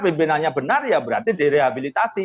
pimpinannya benar ya berarti direhabilitasi